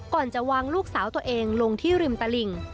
ก่อนจะวางลูกสาวตัวเองลงที่ริมตลิ่ง